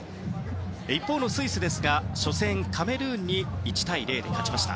一方のスイスですが初戦はカメルーンに１対０で勝ちました。